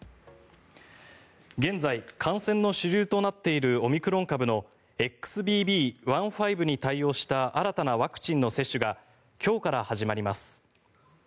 現在、感染の主流となっているオミクロン株のＸＢＢ．１．５に対応した新たなワクチンの接種が今日から始まります。